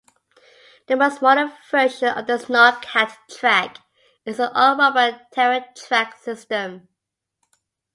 The most modern version of the Sno-Cat track is the all-rubber "Terra Track" system.